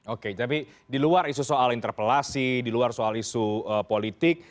oke tapi di luar isu soal interpelasi di luar soal isu politik